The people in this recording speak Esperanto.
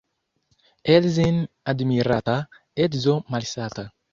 Edzin' admirata — edzo malsata.